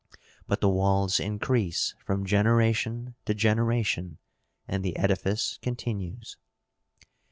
But the walls increase from generation to generation and the edifice continues.